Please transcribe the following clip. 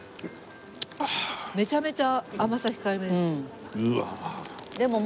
めちゃめちゃ甘さ控えめですね。